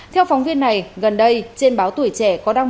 theo phóng viên này gần đây trên báo tuổi trẻ có đăng